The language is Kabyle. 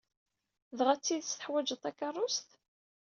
Dɣa d tidet teḥwajeḍ takeṛṛust?